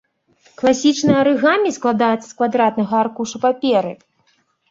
Класічнае арыгамі складаецца з квадратнага аркуша паперы.